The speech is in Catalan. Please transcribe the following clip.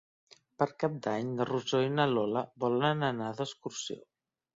Per Cap d'Any na Rosó i na Lola volen anar d'excursió.